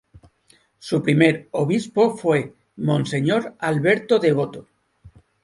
Su primer obispo fue monseñor Alberto Devoto.